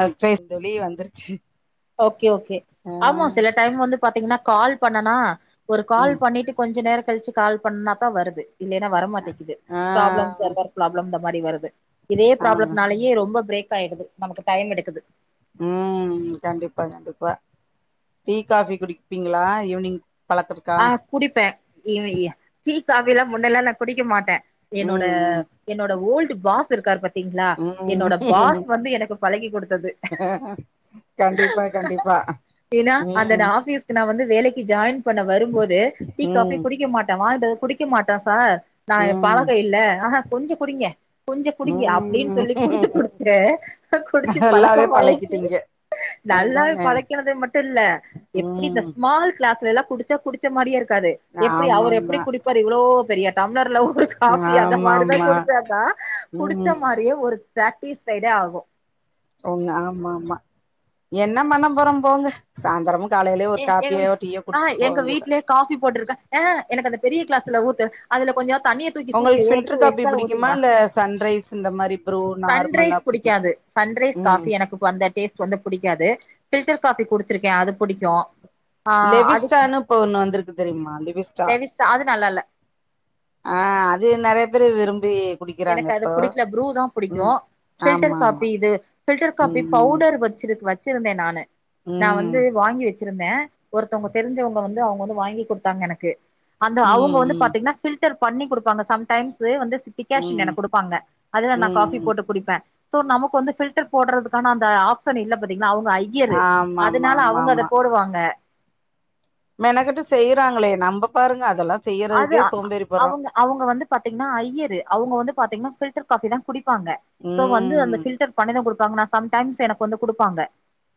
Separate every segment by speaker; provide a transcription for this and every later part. Speaker 1: Advice தோழி வந்துருச்சு
Speaker 2: okay okay
Speaker 1: ஆ
Speaker 2: ஆமா சில டைம் வந்து பாத்தீங்கன்னா கால் பண்ணனா ஒரு கால்
Speaker 1: ம்
Speaker 2: பண்ணிட்டு கொஞ்சோ நேர கழிச்சு கால் பண்ணா தா வருது இல்லைன்னா வர மாட்டேக்கிது
Speaker 1: ஆ
Speaker 2: ப்ராப்ளம் சர்வர் ப்ராப்ளம் இந்த மாதிரி வருது இதே
Speaker 1: ஆமா
Speaker 2: ப்ராப்ளத்தினாலயே ரொம்ப பிரேக் ஆயிடுது நமக்கு டைம் எடுக்குது
Speaker 1: ம் கண்டிப்பா கண்டிப்பா டீ காபி குடிப்பீங்களா ஈவினிங் பழக்க இருக்கா
Speaker 2: ஆ குடிப்பே ஈவு டீ காஃபில்லா முன்னல்லா நா குடிக்க மாட்டே என்னோட
Speaker 1: ம்
Speaker 2: என்னோட ஓல்டு பாஸ் இருக்கார் பாத் ங்களா
Speaker 1: ம்
Speaker 2: என்னோட
Speaker 1: ம்
Speaker 2: பாஸ் வந்து எனக்கு பழகி குடுத்தது
Speaker 1: கண்டிப்பா கண்டிப்பா
Speaker 2: ஏனா அந்த
Speaker 1: ம்
Speaker 2: நா ஆபீஸ் நா வந்து வேலைக்கு ஜாயின் பண்ண வரும்போது டீ காபி
Speaker 1: ம்
Speaker 2: குடிக்க மாட்டே வாங்டு வந்து குடிக்க மாட்டா சார் நா
Speaker 1: ம்
Speaker 2: பழக இல்ல ஆ ஹா கொஞ்சோ குடிங்க கொஞ்சோ குடிங்க அப்டினு சொல்லி குடுத்து
Speaker 1: ம்
Speaker 2: குடுத்தே இப்ப குடிச்சு
Speaker 1: நல்லாவே
Speaker 2: பழக்கமாயிருச்சு
Speaker 1: பழக்கிட்டீங்க
Speaker 2: நல்லாவே
Speaker 1: அதானே
Speaker 2: பழக்கினது மட்டு இல்ல எப்டி இந்த
Speaker 1: ம்
Speaker 2: ஸ்மால் கிளாஸ்லைலா குடிச்சா குடிச்ச மாரியே இருக்காது எப்டி
Speaker 1: ஆமா
Speaker 2: அவர்
Speaker 1: ஆமா
Speaker 2: எப்டி குடிப்பாரு இவ்ளோ பெரிய டம்ளர்ல ஒரு கப் காபி அந்த
Speaker 1: ஆமா
Speaker 2: மாரிதா
Speaker 1: ஆமா
Speaker 2: குடுச்சாங்கா குடிச்ச
Speaker 1: ம்
Speaker 2: மாரியே ஒரு சேட்டிஸ்பைஃடே ஆகு
Speaker 1: உங்க ஆமா ஆமா என்ன பண்ண போரோ போங்க சாந்திரமு காலையிலே ஒரு
Speaker 2: எ எங்க
Speaker 1: காப்பியோ டீயோ
Speaker 2: ஆ
Speaker 1: குடிச்சுட்டு போக
Speaker 2: எங்க
Speaker 1: வேண்டியதுதா
Speaker 2: வீட்லயே காஃபி போட்டிருக்க ஏஹ எனக்கு அந்த பெரிய கிளாஸ்ல ஊத்து அதுல கொஞ்சோ தண்ணிய தூக்கி சூக்கி
Speaker 1: உங்களுக்கு ஃபில்டர்
Speaker 2: எடுத்து
Speaker 1: காப்பி
Speaker 2: எக்ஸ்ட்ற
Speaker 1: பிடிக்குமா
Speaker 2: ஊத்தீக்கலா
Speaker 1: இல்ல சன்ரைஸ் இந்த மாரி ப்ரூ நார்மலா
Speaker 2: சன்ரைஸ்
Speaker 1: பிடிக்கும்
Speaker 2: புடிக்காது சன்ரைஸ்
Speaker 1: ம்
Speaker 2: காஃபி எனக்குப் வந்த டேஸ்ட் வந்து புடிக்காது பில்டர் காபி குடிச்சிருக்கே அது புடிக்கு ஆ
Speaker 1: லெவிஸ்டானு இப்ப ஒண்ணு வந்திருக்கு தெரியுமா லெவிஸ்
Speaker 2: லெவிஸ்டா அது நல்லால்ல
Speaker 1: ஆ அது நெறைய பேரு விரும்பி குடிக்கிறாங்க
Speaker 2: எனக்கு அது
Speaker 1: இப்போ
Speaker 2: பிடிக்கல ப்ரூ தா புடிக்கு
Speaker 1: ம்
Speaker 2: பில்டர்
Speaker 1: ஆமா ஆமா
Speaker 2: காபி இது பில்டர் காபி
Speaker 1: ம்
Speaker 2: பவுடர் வச்சு வச்சிருந்தே நானு நா
Speaker 1: ம்
Speaker 2: வந்து வாங்கி வச் ச்சிருந்தே ஒருத்தவங்க தெரிஞ்சவங்க வந்து அவுங்க வந்து வாங்கி குடுத்தாங்க எனக்கு அந்த
Speaker 1: ம்
Speaker 2: அவுங்க வந்து
Speaker 1: ம்
Speaker 2: பாத்தீங்கனா ஃபில்டர் பண்ணி குடுப்பாங்க சம் டைம்ஸு வந்து டிக்காஷன்
Speaker 1: ம் ம்
Speaker 2: எனக்கு குடுப்பாங்க அதுல நா காபி
Speaker 1: ம்
Speaker 2: போட்டு குடிப்பே சோ நமக்கு வந்து பில்டர் போடுறதுக்கான அந்த ஆப்ஷன் இல்ல பாத்தீங்களா அவுங்க ஐ யரு
Speaker 1: ஆமா ஆமா
Speaker 2: அதனால
Speaker 1: ஆமா
Speaker 2: அவுங்க அத போடுவாங்க
Speaker 1: மெனக்கட்டு செய்யறாங்களே நம்ம பாருங்க அதெல்லா செய்யறதுக்கே சோம்பேறிபறோ
Speaker 2: அவுங்க வந்து பாத்தீங்கனா ஐய்யரு அவுங்க வந்து பாத்தீங்கனா பில்டர் காஃபி தா குடிப்பாங்க சோ வந்து அந்த
Speaker 1: ம்
Speaker 2: பில்டர் பண்ணிதா குடுப்பாங்க நா சம்டைம்ஸ் எனக்கு வந்து குடுப்பாங்க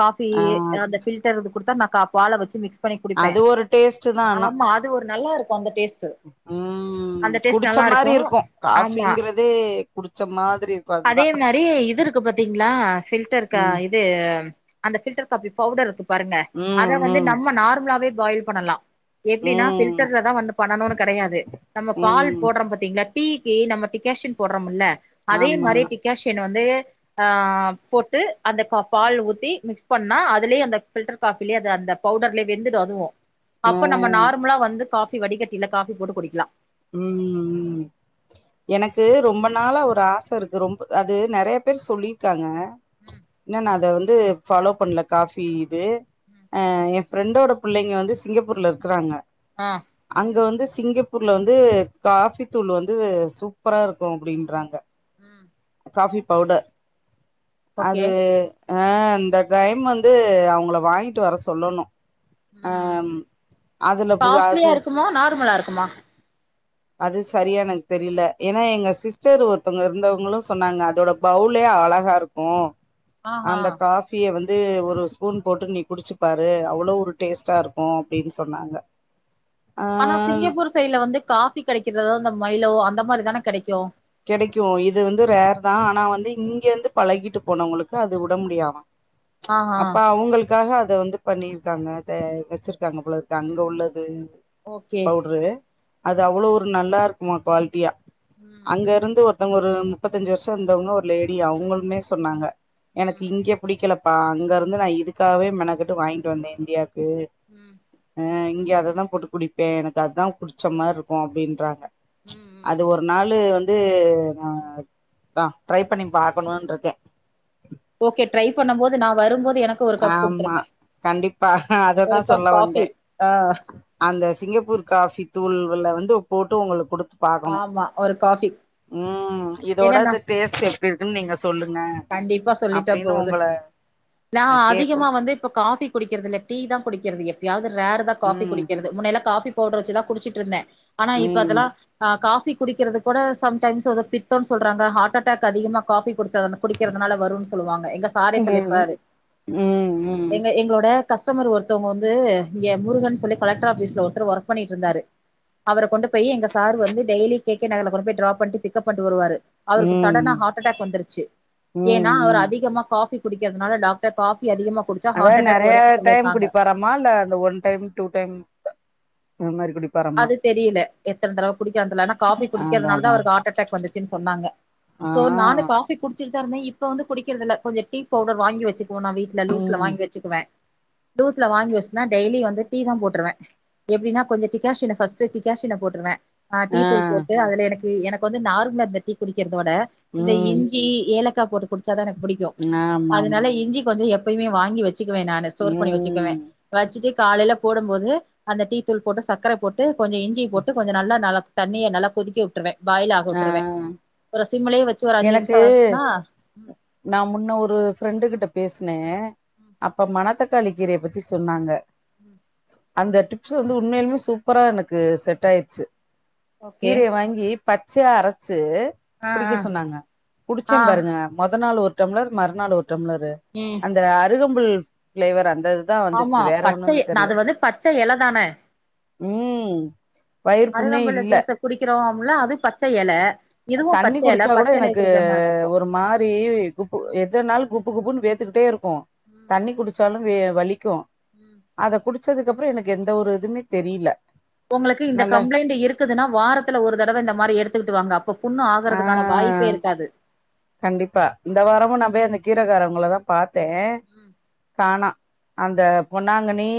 Speaker 2: காஃபி
Speaker 1: ஆ
Speaker 2: அந்த பில்டர் வந்து குடுத்தா நா பால வச்சு மிக்ஸ் பண்ணி குடிப்பே
Speaker 1: அது ஒரு டேஸ்ட்
Speaker 2: ஆமா அது ஒரு நல்லா இருக்கு அந்த டேஸ்ட்
Speaker 1: ம்ம் ம்
Speaker 2: அந்த டேஸ்ட்
Speaker 1: குடிச்ச
Speaker 2: நல்லா
Speaker 1: மாரி இருக்கு
Speaker 2: ஆமா
Speaker 1: காஃபிங்கிறதே குடிச்ச மாரி இருக்குகாது
Speaker 2: அதே மாரி இது இருக்கு பாத்தீங்களா பில்டர் க
Speaker 1: ம்
Speaker 2: இது அந்த பில்டர் காபி பவுடர் இருக்கு பாருங்க அத
Speaker 1: ம்
Speaker 2: வந்து
Speaker 1: ம்
Speaker 2: நம்ம நார்மலாவே பாயில் பண்ணலா எபடின்னா
Speaker 1: ம்
Speaker 2: பில்டர்ல தா வந்து பண்ணணுனு கெடையாது நம்ம பால்
Speaker 1: ம்
Speaker 2: போடுறோ பாத்தீங்களா டீக்கு நம்ம டிகேஷன் போடுறோம்ல அதே
Speaker 1: ஆமா
Speaker 2: மாரி டிகேஷன் வந்து ஆ போட்டு அந்த பால் ஊத்தி மிக்ஸ் பண்ணா அதுலே அந்த பில்டர் காப்பிலே அது அந்த பவுடர்லே வெந்துடு அதுவு
Speaker 1: ஆ
Speaker 2: அப்ப நம்ம நார்மலா வந்து காஃபி வடிகட்டில காஃபி போட்டு குடிக்கலா
Speaker 1: ம் ம் எனக்கு ரொம்ப நாளா ஒரு ஆச இருக்கு ரொம்ப அது நெறைய பேர் சொல்லிருக்காங்க
Speaker 2: ம்
Speaker 1: இன்னு நா அத வந்து ஃபாலோ பண்ணல காஃபி இது
Speaker 2: ம்
Speaker 1: அ ஃப்ரண்டோட பிள்ளைங்க வந்து சிங்கப்பூர்ல இருக்கிறாங்க
Speaker 2: அ
Speaker 1: அங்க வந்து சிங்கப்பூர் ர்ல வந்து காஃபி தூள் வந்து சூப்பரா இருக்கு அப்டின்றாங்க
Speaker 2: ம்
Speaker 1: காஃபி பவுட
Speaker 2: ஓகே
Speaker 1: அது அ இந்த கைம் வந்து அவங்கள வாங்கிட்டு வர சொல்லணு
Speaker 2: ம் ம்
Speaker 1: ஆம் அதுல புக அது
Speaker 2: மா நார்மலா இருக்குமா
Speaker 1: அது சரியா எனக் தெரியல ஏன்னா எங்க சிஸ்டர் ஒருத்தவங்க இருந்தவங்களு சொன்னாங்க அதோட பவுலே அழகா இருக்கு கு
Speaker 2: ஆஹா
Speaker 1: அந்த காஃப் பிய வந்து ஒரு ஸ்பூன் போட்டு நீ குடிச்சுப்பாரு அவ்ளோ ஒரு டேஸ்ட்டா இருக்கு அப்டின் சொன்னாங்க ஆ
Speaker 2: ஆனா சிங்கப்பூர் சைட்ல வந்து காஃபி கெடைக்கிறதுதா இந்த மைலோ அந்த மாரிதான கெடைக்கு
Speaker 1: கெடைக்கு இது வந்து ரேர்தா ஆனா வந்து இங்கே வந்து பழகிட்டு போனவங்களுக்கு அது விட முடியாம
Speaker 2: ஆஹா
Speaker 1: அப்ப அவ்ங்களுக் க்காக அத வந்து பண்ணீருக்காங்க அத வச்சிருக்காங்க போலருக்கு அங்க உள்ளது
Speaker 2: ஓகே
Speaker 1: பவுடரு அது அவ்வளோ ஒரு நல்லா இருக்குமா குவாலிட்டியா
Speaker 2: ம்
Speaker 1: அங்க இருந்து ஒருத்தவங்க ஒரு முப்பத்தஞ்சு வருஷொ இருந்தவங்க ஒரு லேடி அவங்களுமே சொன்னாங்க
Speaker 2: ம்
Speaker 1: எனக்கு இங்கே புடிக்கலப்பா இங்க இருந்து நா இதுக்காவே மெனக்கட்டு வாங்கிட்டு வந்த இந்தியாவுக்கு
Speaker 2: ம்
Speaker 1: அ இங்க அததா போட்டு குடிப்பே எனக்கு அதா குடிச்ச மார்ருக்கு அப்டின்றாங்க
Speaker 2: ம் ம்
Speaker 1: அது ஒரு நாளு வந்து நா தா ட்ரை பண்ணி பாக்கணுன்டுருக்கே
Speaker 2: ஓகே ட்ரை பண்ணும் போது நா வரும்போது எனக்
Speaker 1: ஆமா கண்டிப்பா அததா
Speaker 2: ஒரு கப்
Speaker 1: சொல்ல வந்தே
Speaker 2: காஃபி ஆ
Speaker 1: அந்த சிங்கப்பூர் காஃபி தூள்வல வந்து போட்டு ஒங்களுக் குடுத் பாக்கணு
Speaker 2: ஆமா ஒரு காஃபி
Speaker 1: ம் இதோட
Speaker 2: ஏன்னா நா
Speaker 1: அத டேஸ்ட் எப்டி இருக்குன் நீங்க சொல்லுங்க
Speaker 2: கண்டிப்பா சொல்லிட்டா
Speaker 1: அப்டின்னு
Speaker 2: போகுது
Speaker 1: உங்கள
Speaker 2: நா அதிகமா
Speaker 1: கேக்கணு
Speaker 2: வந்து இப்ப காஃபி குடிக்கறதுல்ல டீ தா குடிக்கிறது எப்பயாவது ரேருதா காஃபி
Speaker 1: ம்
Speaker 2: குடிக்கிறது முன்னையல்லா காபி பவுடர் வச்சுதா குடிச்சுட்டுருந்த ஆனா இப்ப
Speaker 1: ம்
Speaker 2: அதுல்லா அ காஃபி குடிக்கிறது கூட சம் டைம்ஸ் அது பித்தோன் சொல்றாங்க ஹார்ட் அட்டாக் அதிகமா காஃபி குடிச்சானா குடிக் கிறதுனால வருன்னு சொல்லுவாங்க எங்க சாரே
Speaker 1: ம் ம்
Speaker 2: சொல்லிருக்காரு
Speaker 1: ம் ம்
Speaker 2: எங்க எங்களோட கஸ்டமர் ஒருத்தவங்க வந்து இங்க முருகன் சொல்லி கலெக்டர் ஆஃபீஸ்ல ஒருத்தர் ஒர்க் பண்ணிட்டுருந்தாரு அவர கொண்டு போய் எங்க சார் வந்து டெயலி கே கே நகர்ல கொண்டு போய ட்ராப் பண்ட்டு பிக்கப் பண்ட்டு வருவாரு அவருக்கு சடனா
Speaker 1: ம்
Speaker 2: ஹார்ட் அட்டாக் வந்துருச்சு ஏனா அவர்
Speaker 1: ம்
Speaker 2: அதிகமா காஃபி குடிக்கிறதுனால டாக்டர் காஃபி அதிகமா குடிச்சா ஹார்ட் அட்டாக் வரும்னு சொல்லிருக்காங்க
Speaker 1: லாமா இல்ல அந்த ஒன் டைம் டூ டைம் இந் மாரி குடி
Speaker 2: அது தெரியல எத்தன தடவ குடிக்கார்ன்டுலா ஆனா காஃபி
Speaker 1: அதா
Speaker 2: குடிக்கிறதுனாலதா
Speaker 1: அதா
Speaker 2: அவருக்கு ஹார்ட் அட்டாக் வந்துச்சுன்னு சொன்னாங்க
Speaker 1: ஆ
Speaker 2: சோ நானு காஃபி குடிச்சுட்டுதா இருந்த இப்ப வந்து குடிக்கறதில்ல கொஞ்சொ டீ பவுடர் வாங்கி வச்சு போ நா வீட்ல லூஸ்ல
Speaker 1: ம்
Speaker 2: வாங்கி வச்சுக்குவ லூஸ்ல வாங்கி வச்சுட்ன்னா டெய்லி வந்து டீதா போட்டுருவ எப்டினா கொஞ்ச திக் க்காஷன ஃபர்ஸ்ட் டிக்காஷன போட்டுருவ அ டீ
Speaker 1: ஆ
Speaker 2: தூள் போட்டு அதுல எனக்கு எனக் கு வந்து நார்மலா இந்த டீ குடிக்கிறதோட இந்த
Speaker 1: ம்
Speaker 2: இஞ்சி ஏலக்கா போட்டு குடிச்சாதா எனக் புடிக் கு
Speaker 1: ஆமா ஆமா ஆமா
Speaker 2: அதனால இஞ்சி கொஞ்சொ எப்பயுமே வாங்கி வச்சுக்குவ நானு ஸ்டோர் பண்ணி வச்சுக்குவ
Speaker 1: ம்
Speaker 2: வச்சுட்டு காலைல போடும்போது அந்த டீ தூள் போட்டு சக்கர போட்டு கொஞ்ச இஞ்சி போட்டு கொஞ்ச நல்லா நல தண்ணிய நல்லா கொதிக்க வுட்டுருவ பாயில் ஆக
Speaker 1: ஆ
Speaker 2: வுட்டுருவ ப்பறோ சிம்மலயே வச்சு ஒரு அஞ்சு நிமிஷொ
Speaker 1: எனக்கு
Speaker 2: ஆச்சுன்னா ம்
Speaker 1: நா முன்ன ஒரு ஃப்ரெண்டு கிட்ட பேசுனே
Speaker 2: ம்
Speaker 1: அப்ப மணத் தக்காளி கிரய பத்தி சொன்னாங்க
Speaker 2: ம்
Speaker 1: அந்த டிப்ஸ் வந்து உண்மையிலுமே சூப்பரா எனக்கு செட்டாயிடுச்சு
Speaker 2: ஓகே
Speaker 1: கீரைய வாங்கி பச்சையா அரைச்சு
Speaker 2: ஆ
Speaker 1: குடிக்க
Speaker 2: ஆ
Speaker 1: சொன்னாங்க குடிச்ச
Speaker 2: ஆ
Speaker 1: பாருங்க மொத நாள் ஒரு டம்ளர் மறுநாள் ஒரு டம்ளரு
Speaker 2: ம்
Speaker 1: அந்த அருகம்புல் ஃப்ளேவர் அந்தது தா வந்துச்சு
Speaker 2: ஆமா
Speaker 1: வேற
Speaker 2: பச்சை
Speaker 1: ஒண்ணு தெரில
Speaker 2: அது வந்து பச்சை எல தான
Speaker 1: ம் வயிறு புண்ணே இல்ல
Speaker 2: குடிக்கிறோம்ல்ல அது பச்ச எல இதுவு
Speaker 1: தண்ணி
Speaker 2: பச்சை எல
Speaker 1: குடிச்சா கூட
Speaker 2: பச்சை எலைய
Speaker 1: எனக்கு
Speaker 2: குடிக்கிற மாரிதா இருக்கு
Speaker 1: ஒரு மாரி குப்பு எதனாலு குப்பு குப்புன்னு வேத்துக்கிட்டே இருக்கு தண்ணி குடிச்சாலு வே வலிக்கு
Speaker 2: ம்
Speaker 1: அத குடிச்சதுக்கப்பற எனக்கு எந்த ஒரு இதுமே தெரில
Speaker 2: உங்களுக்கு இந்த
Speaker 1: நல்லா
Speaker 2: கம்ப்ளைண்ட் இருக்குதுன்னா வாரத்துல ஒரு தடவ இந்த மாரி எடுத்துக்கிட்டு வாங்க இப்ப புண்ணு
Speaker 1: ஆ
Speaker 2: ஆகறதுக்கான வாய்ப்பே இருக்காது
Speaker 1: கண்டிப்பா இந்த வாரமு நா போய் அந்த கீரகாரவங்கள தா பாத்தே
Speaker 2: ம்
Speaker 1: காண அந்த பொன்னாங்கனி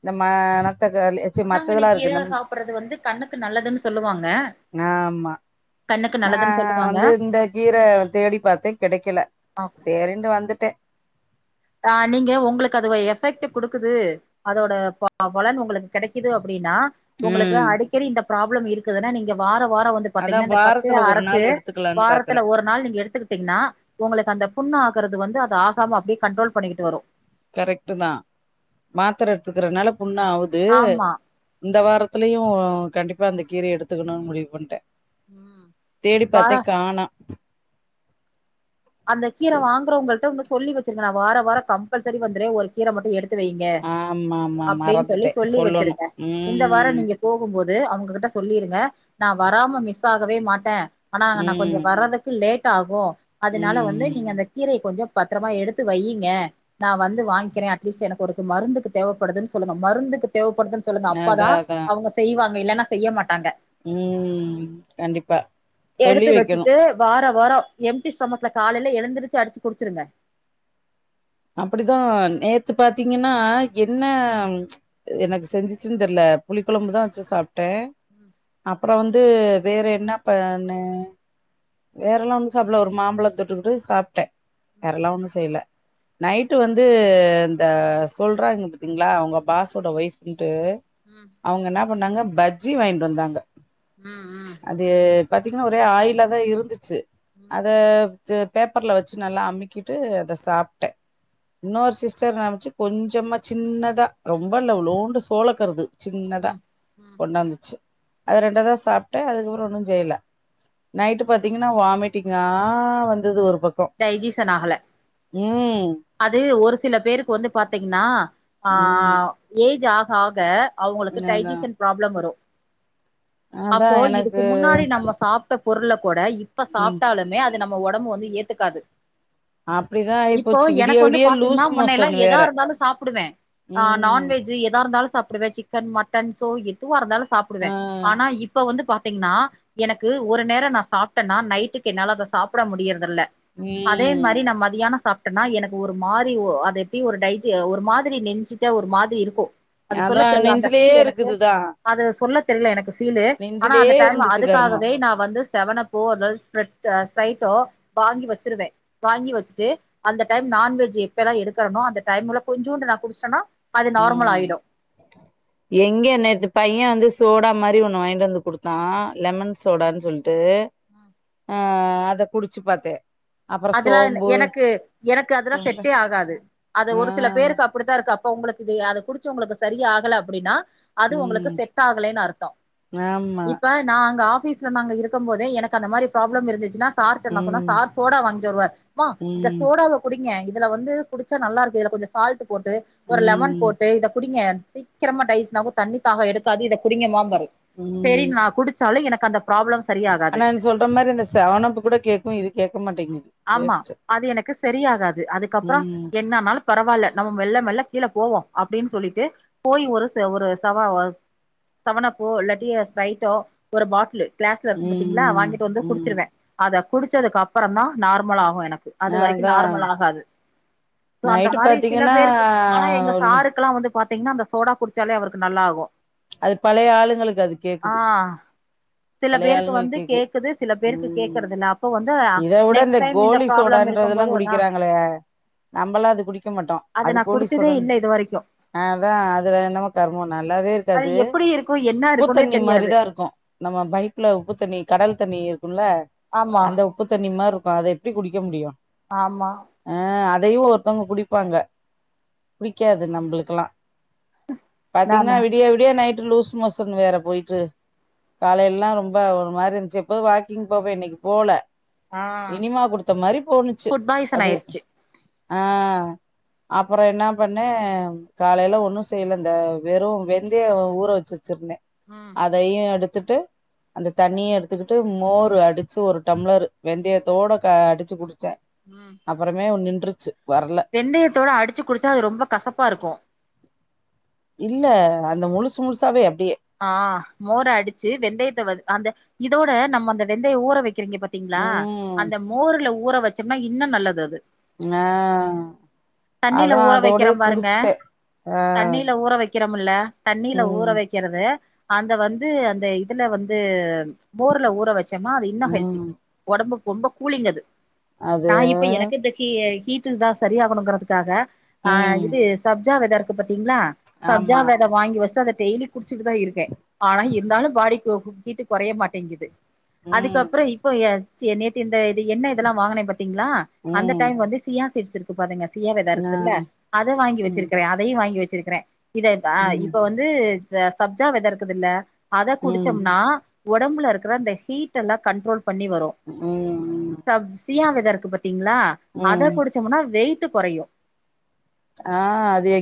Speaker 1: இந்த மணத்தக்காளி ச்சி
Speaker 2: பொன்னாங்கண்ணி
Speaker 1: மத்ததெல்லா இருக்கு
Speaker 2: கீர
Speaker 1: இந்த
Speaker 2: சாப்பறது வந்து கண்ணுக்கு நல்லதுன்னு சொல்லுவாங்க
Speaker 1: ஆமா
Speaker 2: கண்ணுக்கு நல்லதுன்னு சொல்லுவாங்க
Speaker 1: தே தேடி பாத்தே கெடைக்கல சேரின்டு வந்துட்டே
Speaker 2: ஆ நீங்க உங்களுக்கு அது வ எஃபெக்ட்டு குடுக்குது அதோட பலன் உங்களுக்கு கெடைக்குது அப்படின்னா உங்களுக்கு
Speaker 1: ம்
Speaker 2: அடிக்கடி இந்த ப்ராப்ளம் இருக்குதுன்னா நீங்க வாரோ வாரோ வந்து
Speaker 1: அதா
Speaker 2: பாத்தீங்கன்னா இந்த பச்சயா
Speaker 1: வாரத்துல ஒரு
Speaker 2: அரச்சு
Speaker 1: நாள் எடுத்துக்கலான்னு
Speaker 2: வாரத்துல
Speaker 1: பாக்குறே
Speaker 2: ஒரு நாள் நீங்க எடுத்துக்கிட்டீங்கன்னா உங்களுக்கு அந்த புண்ணு ஆகுறது வந்து அது ஆகாம அப்படியே கண்ட்ரோல் பண்ணிட்டு வரு
Speaker 1: கரெக்ட்டுதா மாத்தர எடுத்துக்கறனால புண்ணாவுது
Speaker 2: ஆமா
Speaker 1: இந்த வாரத்துலயு கண்டிப்பா அந்த கீரயை எடுத்துக்கணும்னு முடிவு பண்ணிட்டே
Speaker 2: ம்
Speaker 1: தேடிப்
Speaker 2: வார
Speaker 1: பாத்தே காணோ
Speaker 2: அந்த கீர
Speaker 1: சே
Speaker 2: வாங்கறவங்கள்ட ஒன்னு சொல்லி வச்சிருக்கங்க நா வார வார கம்பல்சரி வந்துற ஒரு கீர மட்டு எடுத் துவைங்க
Speaker 1: ஆமா ஆமா
Speaker 2: அப்படின் சொல்லி
Speaker 1: மறந்துட்டே
Speaker 2: சொல்லி
Speaker 1: சொல்லணு
Speaker 2: வச்சிருங்க இந்த வார
Speaker 1: ம்
Speaker 2: நீங்க போகும்போது அவங்ககிட்ட சொல்லிருங்க நா வராம மிஸ் ஆகவே மாட்டே ஆனா அங்க நா கொஞ்ச
Speaker 1: ம் ம்
Speaker 2: வர்றதுக்கு லேட்டாகு அதனால வந்து
Speaker 1: ம்
Speaker 2: நீங்க அந்த கீரய கொஞ்ச பத்தரமா எடுத்து வையிங்க நா வந்து வாங்கிக்கிறே அட்லீஸ்ட் எனக்கு ஒருக்கு மருந்துக்கு தேவப்படுதுன்னு சொல்லுங்க மருந்துக்கு தேவப்படுதுன் சொல்லுங்க அப்பதா
Speaker 1: அதா அதா
Speaker 2: அவங்க செய்வாங்க இல்லன்னா செய்ய மாட்டாங்க
Speaker 1: ம் கண்டிப்பா சொல்லி
Speaker 2: எடுத்து
Speaker 1: வைக்கணு
Speaker 2: வச்சுட்டு வார வரோ எம்டி ஸ்டொமக்ல காலேல எழுந்திருச்சு அடிச்சு குடிச்சிருங்க
Speaker 1: அப்படிதா நேத்து பாத்தீங்கன்னா என்ன எனக்கு செஞ்சிச்சுன்னு தெர்ல புளி கொழம்புதா வச்சு சாப்ட்டே
Speaker 2: ம்
Speaker 1: அப்பறோ வந்து வேற என்ன பண்ணே வேறலா ஒன்னு சாப்பல ஒரு மாம்பழ தொட்டுட்டு சாப்ட்டே
Speaker 2: ம்
Speaker 1: வேறலா ஒன்னு செய்யல நைட்டு வந்து இந்த சொல்றாங்க பாத்தீங்களா அவங்க பாசோட ஒய்ஃப்ன்டு
Speaker 2: ம்
Speaker 1: அவங்க என்னா பண்ணாங்க பஜ்ஜி வாங்கிட்டு வந்தாங்க
Speaker 2: ம் ம்
Speaker 1: அது பாத்தீங்கன்னா ஒரே ஆயிலாதா இருந்துச்சு
Speaker 2: ம்
Speaker 1: அத பேப்பர்ல வச்சு நல்லா அமுக்கிட்டு அத சாப் இன்னொரு சிஸ்டர் நமச்சு கொஞ்சமா சின்னதா ரொம்ப லவ்லோண்டு சோளக்கருது சின்னதா
Speaker 2: ம் ம்
Speaker 1: கொண்டாந்துச்சு அது ரெண்ட தா சாப்டே அதுக்கப்பறோ ஒன்னு செய்யல நைட்டு பாத்தீங்கனா வாமிட்டிங்கா வந்துது ஒரு பக்கோ
Speaker 2: டைஜீசன் ஆகல
Speaker 1: ம்
Speaker 2: அது ஒரு சில பேருக்கு வந்து பாத்தீங்னா ஆ
Speaker 1: ம்
Speaker 2: ஏஜ் ஆக ஆக அவுங்களுக்கு
Speaker 1: அதா
Speaker 2: டைஜீசன் ப்ராப்ளம் வரு
Speaker 1: அதா
Speaker 2: அப்போ
Speaker 1: எனக்கு
Speaker 2: இதுக்கு முன்னாடி நம்ம சாப் ட பொருள கூட இப்ப
Speaker 1: ம்
Speaker 2: சாப்டாலுமே அது நம்ம ஒடம்பு வந்து ஏத்துக்காது
Speaker 1: அப்டிதா
Speaker 2: இப்போ
Speaker 1: ஆயிப்போச்சு விடிய
Speaker 2: எனக்கு வந்து
Speaker 1: விடிய
Speaker 2: பாத்தீங்னா
Speaker 1: லூஸ்
Speaker 2: முன்ன எல்லா
Speaker 1: மோசன்
Speaker 2: எதா
Speaker 1: வேற
Speaker 2: இருந்தாலு சாப்புடுவே ஆ
Speaker 1: ம்
Speaker 2: நான்வெஜ் எதா இருந்தாலு சாப்டுவே சிக் கன் மட்டன் சோறு எதுவா இருந்தாலு சாப்புடுவே
Speaker 1: ஆ
Speaker 2: ஆனா இப்ப வந்து பா த்தீங்னா எனக்கு ஒரு நேரோ நா சாப்ட்டனா நைட்டுக்கு என்னால அத சாப்ட முடியறதில்ல
Speaker 1: ம்
Speaker 2: அதே மாரி நா மதியானோ சாப்ட்டனா எனக்கு ஒரு மாரி ஒ அது எப்டி ஒரு டைஜி ஒரு மாதிரி நெஞ்சி ச ஒரு மாதிரி இருக்கு அது சொல்ல
Speaker 1: அதா
Speaker 2: தெர்ல அந்த
Speaker 1: நெஞ்சிலயே
Speaker 2: பீல் எனக்கு
Speaker 1: இருக்குதுதா
Speaker 2: அது சொல்ல தெர்ல எனக்கு ஃபீலு ஆனா அந்த
Speaker 1: நெஞ்சிலயே
Speaker 2: டைம்
Speaker 1: இருந்துச்சு கருமோ
Speaker 2: அதுக்காகவே நா வந்து செவனப்போ அதவது ஸ்ப்ரட் அ ஸ்ப்ரைட்டோ வாங்கி வச்சிருவ வாங்கி வச்சிட்டு அந்த டைம் நான்வெஜ் எப்பல்லா எடுக்கறனோ அந்த டைம்ல கொஞ்சோண்டு நா குடிச்ட்டனா அது நார்மல்
Speaker 1: ம்
Speaker 2: ஆயிடு
Speaker 1: எங்க நேத்து பையன் வந்து சோடா மாரி ஒன்னு வாய்ன்டு வந்து குடுத்தா
Speaker 2: ம்
Speaker 1: லெமன் சோடான் சொல் டு
Speaker 2: ம்
Speaker 1: ஆ அத குடிச்சி பாத்தே அப்புறோ
Speaker 2: அதெல்லா
Speaker 1: சோம்பு
Speaker 2: எனக்கு எனக்கு அதெல்லா செட்டே ஆகாது அது
Speaker 1: ஆ
Speaker 2: ஒரு சில பேருக்கு அப் டித்தா இருக்கு அப்ப உங்களுக்கு இது அத குடிச்சி உங்களுக்கு சரியே ஆகல அப்டின்னா அது உங்களுக்கு
Speaker 1: ம்
Speaker 2: செட் ஆகலைன் அர்த்தோ
Speaker 1: ஆமா
Speaker 2: இப்ப நா அங்க ஆபீஸ்ல நாங்க இருக்கு போதே. எனக்கு அந்த மாரி ப்ராப்ளம் இருந்துச்சினா சார்ட்ட நா சொன்ன
Speaker 1: ம்
Speaker 2: சார் சோடா வாங்கி டுருவ மா இந்த
Speaker 1: ம்
Speaker 2: சோடாவ குடிங்க இதுல வந்து குடிச்சா நல்லா இருக்கு இதுல கொஞ்சோ சால்ட் போட்டு ஒரு லெமன்
Speaker 1: ம்
Speaker 2: போட்டு இத குடிங்க சீக்கிரமா டைஸ்னாவு தண்ணி தாக எடுக்காது இத குடிங்க மா ம் பாரு செரி
Speaker 1: ம்
Speaker 2: நா குடிச்சாலு எனக்கு அந்த ப்ராப்ளம்ஸ்
Speaker 1: ஆனா நீ சொல்ற மாரி இந்த செவனப்பு கூட கே்கு இது கேக்க மாட்டிங்கிது
Speaker 2: ஆமா அது எனக்கு செரியாகாது அதுக்கப்றோ
Speaker 1: ம்
Speaker 2: என்னனாலு பரவால நம்ம மெல்ல மெல்ல கீழ போவோ அப்டின் சொல்லிட்டு போய் ஒரு ச ஒரு சவா செவனப்போ இல்லாட்டி ஸ்பரைட்டோ ஒரு பாட்லு கிளாஸ்ல இருக்கு பாத்தீங்ளா
Speaker 1: ம்
Speaker 2: வாங்கிட்டு வந்து
Speaker 1: ம்
Speaker 2: குடிச்சிருவே அத குடிச்சதுக்கு அப்றோ தா நார்மல் ஆகு எனக் அது வரைக்கு
Speaker 1: அதா
Speaker 2: நார்மல் ஆகாது சோ அந்த
Speaker 1: நைட்டு
Speaker 2: மாரி சில
Speaker 1: பாத்தீங்கன்னா
Speaker 2: பேருக்கு ஆனா எங்க சாருக்கல்லா வந்து பாத்தீங்னா அந்த சோடா குடிச்சாலே அவருக்கு நல்லா ஆகு
Speaker 1: அது பழய ஆளுங்களுக்கு அது
Speaker 2: ஆ
Speaker 1: கேக்குது
Speaker 2: சில பேருக்கு
Speaker 1: பழையாளுங்கள்
Speaker 2: வந்து
Speaker 1: கேக்கு
Speaker 2: கேக்குது சில பேருக்கு
Speaker 1: ம்
Speaker 2: கேக்குறதில்ல அப்ப வந்து
Speaker 1: இத வுட இந்த
Speaker 2: நெக்ஸ்ட் டைம்
Speaker 1: கோலி
Speaker 2: ப்ராப்ளம் இருக்கும்
Speaker 1: சோடன்றதெல்லா
Speaker 2: போது
Speaker 1: குடி
Speaker 2: நா
Speaker 1: க்கிறாங்களே நம்பல்லா அது குடிக்க மாட்டோ அது
Speaker 2: நா
Speaker 1: போலீஸ்
Speaker 2: குடிச்சதே
Speaker 1: உடன்
Speaker 2: இல்ல இது வரைக்கு
Speaker 1: ஆ அதா அதுல என்னமோ கருமோ நல்லாவே
Speaker 2: அது
Speaker 1: இருக்காது
Speaker 2: எப்டி இருக்கு என்ன
Speaker 1: உப்புத்
Speaker 2: இருக்குன்னே
Speaker 1: தண்ணி
Speaker 2: தெரியாது
Speaker 1: மாரிதா இருக்கு நம்ம பைப்புல உப்பு தண்ணி கடல் தண்ணி இருக்குல்ல
Speaker 2: ஆமா
Speaker 1: அந்த உப்பு தண்ணிமார் இருக்கு அத எப்டி குடிக்க முடியு
Speaker 2: ஆமா
Speaker 1: ஆ அதையு ஒருத்தங்க குடிப்பாங்க புடிக்காது நம்புளுக்கெல்லா பாத்தீங்னா
Speaker 2: நானு
Speaker 1: விடியா விடியா நைட்டு் லூஸ் மோசன் வேற போயிட்டு காலையில்லா ரொம்ப ஒரு மாரி இருந்ச்சி எப்பவு வாக்கிங் போவே இன்னைக்கு போல
Speaker 2: ஆ
Speaker 1: இனிமா குடுத்த மாரி போணுச்சி
Speaker 2: ஃபுட் பாய்சன்
Speaker 1: அப்டே
Speaker 2: ஆயிருச்சு
Speaker 1: ஆ அப்றோ என்னா பண்ணே காலையில ஒன்னு செய்யல இந்த வெறு வெந் தய ஊற வச்சி வச்சிருந்தே
Speaker 2: ம்
Speaker 1: அதையு எடுத்துட்டு அந்த தண்ணிய எடுத்துக்கிட்டு மோர் அடிச்சி ஒரு டம்ளர் வெந்தயத்தோட க அடிச்சி குடிச்ச
Speaker 2: ம்
Speaker 1: அப்பறமே நின்றுச்சு வர்ல
Speaker 2: வெந்தயத்தோட அடிச்சு குடிச்சா அது ரொம்ப கசப்பாருக்கு
Speaker 1: இல்ல அந்த முழுசு முழுசாவே அப்டியே
Speaker 2: ஆ மோர அடிச்சு வெந்தயத்த வந் அந்த இதோட நம்ம அந்த வெந்தய ஊற வை இருக்கி பாத்தீங்களா அந்த
Speaker 1: ம்
Speaker 2: மோர்ல ஊற வச்சம்னா இன்னு நல்லது அது
Speaker 1: ஆ
Speaker 2: தண்ணில
Speaker 1: அதா
Speaker 2: ஊற வைக்கிற
Speaker 1: அதோடயே
Speaker 2: பாருங்க
Speaker 1: குடிச்சுட்டே ஆ
Speaker 2: தண்ணில ஊற வைக் க்கிறம்ல தண்ணில ஊற
Speaker 1: ம்
Speaker 2: வைக் அந்த வந்து அந்த இதுல வந்து மோர்ல ஊற வச் ச்சமா அது இன்னு ஹெல்தி
Speaker 1: ம்
Speaker 2: ஒடம்புக்கு ரொம்ப கூலிங் அது
Speaker 1: அது
Speaker 2: நா இப்ப எனக்கே ஹீ ஹீட் டில் தா சரியாகணுங்கறதுக்காக ஆ
Speaker 1: ம்
Speaker 2: இது சப்ஜா வெத இருக்கு பத்தீங்ளா சப்ஜா
Speaker 1: ஆமா
Speaker 2: வெத வாங்கி வச்சுட்டு அத டெயிலி குடிச்சுட்டு தா இருக்கே ஆனா இருந்தாலு பாடிக்கு ஹீட்டு கொறைய மாட்டேங்குது
Speaker 1: ம்
Speaker 2: அதுக்கப்றோ இப்ப ஏ ச்சி நேத்தி இந்த இது என்ன இதெல்லா வாங்குனே பாத்தி திங்களா அந்த
Speaker 1: ம்
Speaker 2: டைம் வந்து சியா சீட்ஸ் இருக்கு பாருங்க சியா வெத
Speaker 1: ஆ
Speaker 2: இருக்குல அத வாங்கி
Speaker 1: ம்
Speaker 2: வச்சிருக்குறே அதையு வாங்கி வச்சிருக்குறே இத ஆ
Speaker 1: ம்
Speaker 2: இப்ப வந்து இத சப்ஜா வெத இருக்குதுல்ல அத
Speaker 1: ம்
Speaker 2: குடிச்சம்னா ஒடம்புல இருக்குற அந்த ஹீட்டெல்லா கண்ட்ரோல் பண்ணி வரு
Speaker 1: ம் ம்
Speaker 2: சப் சியா வெத இருக்கு பாத்தீங்ளா அத
Speaker 1: ம்
Speaker 2: குடிச்சம்னா வெயிட்டு கொறையு
Speaker 1: ஆ அதே